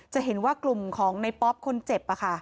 จะเห็นว่ากลุ่มของในป๊อปคนเจ็บ